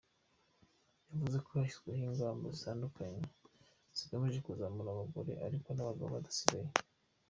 Yavuze ko hashyizweho ingamba zitandukanye zigamije kuzamura abagore ,ariko n’abagabo badasigaye.